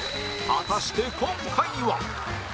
果たして今回は